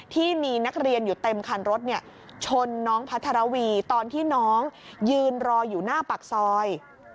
ที่มีนักเรียนอยู่เต็มคันรถชนน้องพัทรวีตอนที่น้องยืนรออยู่หน้าปากซอย